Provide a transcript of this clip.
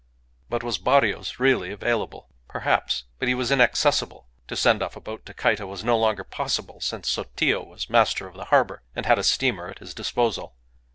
But was Barrios really available? Perhaps. But he was inaccessible. To send off a boat to Cayta was no longer possible, since Sotillo was master of the harbour, and had a steamer at his disposal.